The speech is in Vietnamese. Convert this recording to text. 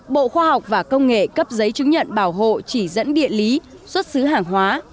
bộ khoa học và công nghệ cấp giấy chứng nhận bảo hộ chỉ dẫn địa lý xuất xứ hàng hóa